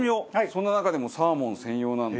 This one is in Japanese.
そんな中でもサーモン専用なんだ。